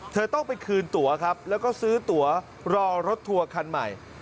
เธอต้องไปคืนตัวครับแล้วก็ซื้อตัวรอรถทัวร์คันใหม่